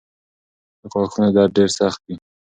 د غاښونو درد ډېر سخت وي.